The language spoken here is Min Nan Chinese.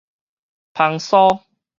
芳酥